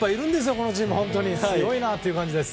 このチームすごいなという感じです。